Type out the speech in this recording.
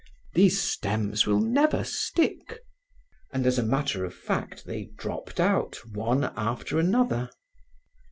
"These stems will never stick." And, as a matter of fact, they dropped out one after another.